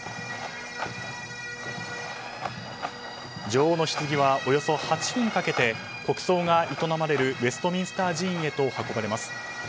女王のひつぎはおよそ８分かけて国葬が営まれるウェストミンスター寺院へと運ばれます。